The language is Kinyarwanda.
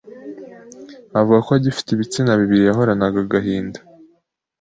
Avuga ko agifite ibitsina bibiri yahoranaga agahinda,